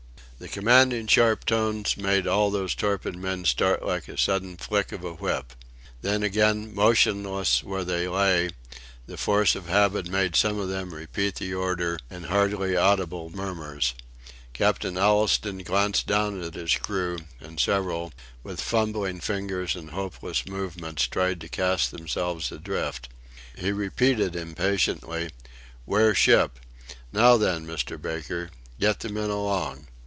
The commanding sharp tones made all these torpid men start like a sudden flick of a whip. Then again, motionless where they lay, the force of habit made some of them repeat the order in hardly audible murmurs. Captain Allistoun glanced down at his crew, and several, with fumbling fingers and hopeless movements, tried to cast themselves adrift. He repeated impatiently, "Wear ship. Now then, Mr. Baker, get the men along.